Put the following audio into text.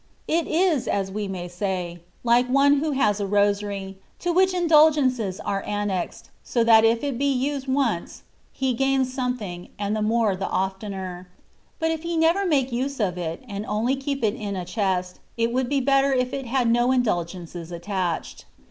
It is, as we may say, like one who has a rosary, to which indulgences are annexed, so that if it be used once, he gains something, and the more the oftener : but if he never make use of it, and only keep it in a chest, it would be better if it had no indulgences attached.